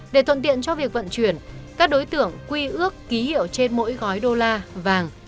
để thuận tiện cho việc vận chuyển các đối tượng quy ước ký hiệu trên mỗi gói đô la vàng